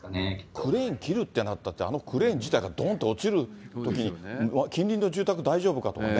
クレーン切るってなったって、あのクレーン自体がどんと落ちるときに、近隣の住宅大丈夫かとね。